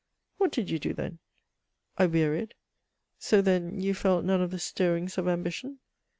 What did you do then ? I wearied. So, then, you felt none of the stirrings of ambition